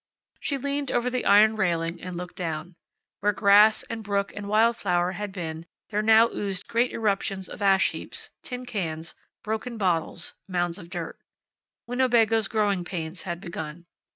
She leaned over the iron railing and looked down. Where grass, and brook, and wild flower had been there now oozed great eruptions of ash heaps, tin cans, broken bottles, mounds of dirt. Winnebago's growing pains had begun.